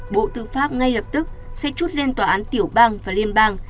bộ tư pháp ngay lập tức sẽ chút lên tòa án tiểu bang và liên bang